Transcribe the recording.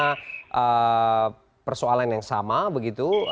karena persoalan yang sama begitu